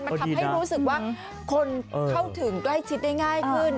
มันทำให้รู้สึกว่าคนเข้าถึงใกล้ชิดได้ง่ายขึ้น